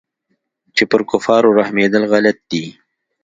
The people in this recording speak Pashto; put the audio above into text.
چې پر كفارو رحمېدل غلط دي.